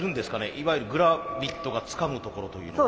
いわゆるグラビットがつかむところというのは。